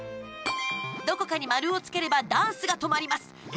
どこかに丸をつければダンスが止まります。